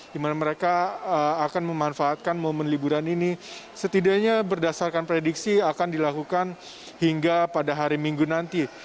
di mana mereka akan memanfaatkan momen liburan ini setidaknya berdasarkan prediksi akan dilakukan hingga pada hari minggu nanti